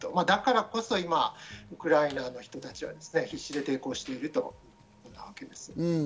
だからこそ今、ウクライナの人たちは必死で抵抗しているというわけです。